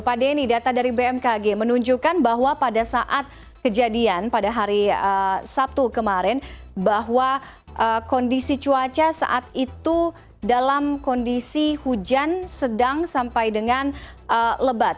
pak denny data dari bmkg menunjukkan bahwa pada saat kejadian pada hari sabtu kemarin bahwa kondisi cuaca saat itu dalam kondisi hujan sedang sampai dengan lebat